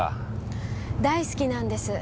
大好きなんです。